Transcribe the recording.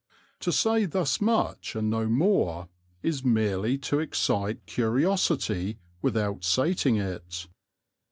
To say thus much and no more is merely to excite curiosity without sating it.